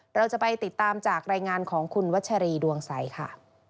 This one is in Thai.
เราจะไปติดตามจากรายงานของคุณวัชรีดวงใสค่ะ